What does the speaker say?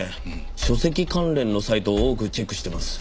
書籍関連のサイトを多くチェックしてます。